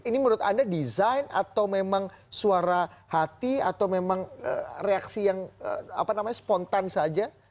ini menurut anda desain atau memang suara hati atau memang reaksi yang spontan saja